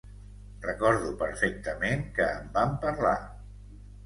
Recordo perfectament que en vam parlar.